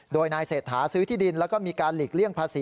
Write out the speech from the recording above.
โดยนายเศรษฐาซื้อที่ดินแล้วก็มีการหลีกเลี่ยงภาษี